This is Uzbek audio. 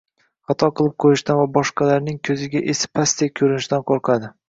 Xato qilib qo‘yishdan va boshqalarning ko‘ziga esi pastdek ko‘rinishdan qo‘rqadi.